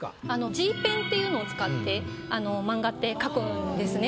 Ｇペンっていうのを使って漫画って描くんですね。